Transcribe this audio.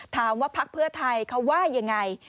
ถามว่าพักเพื่อไทยเขาว่ายังไง